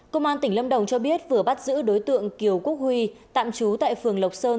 công an tỉnh lâm đồng cho biết vừa bắt giữ đối tượng kiều quốc huy tạm trú tại phường lộc sơn